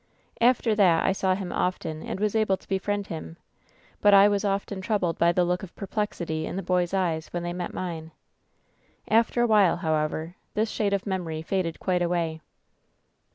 "After that I saw him often, and was able to befriend him ; but I was often troubled by the look of perplexity in the boy's eyes when they met mine. After a while, however, this shade of memory faded quite away.